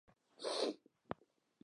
روهیال تر ما دمخه ځان دلته رارسولی و.